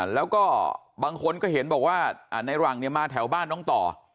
แล้วก็บางคนก็เห็นบอกว่าในหลังมาแถวบ้านน้องต่อ